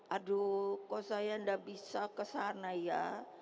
aduh kok saya tidak bisa kesana ya